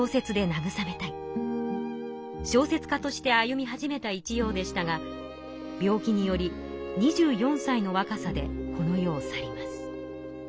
小説家として歩み始めた一葉でしたが病気により２４歳の若さでこの世を去ります。